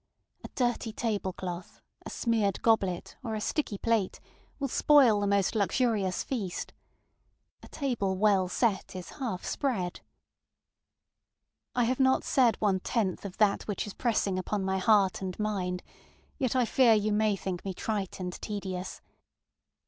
A dirty table cloth, a smeared goblet, or a sticky plate, will spoil the most luxurious feast. A table well set is half spread. I have not said one tenth of that which is pressing upon my heart and mind, yet I fear you may think me trite and tedious.